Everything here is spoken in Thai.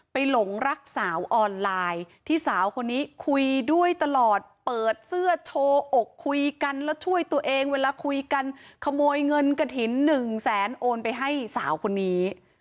หลงรักสาวออนไลน์ที่สาวคนนี้คุยด้วยตลอดเปิดเสื้อโชว์อกคุยกันแล้วช่วยตัวเองเวลาคุยกันขโมยเงินกระถิ่นหนึ่งแสนโอนไปให้สาวคนนี้